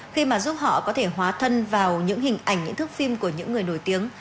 khi mà giúp họ có thể hóa thân vào những hình ảnh những thước phim của những người nổi tiếng